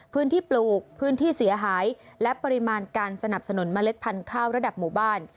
ปลูกพื้นที่เสียหายและปริมาณการสนับสนุนเมล็ดพันธุ์ข้าวระดับหมู่บ้าน